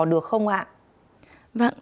được không ạ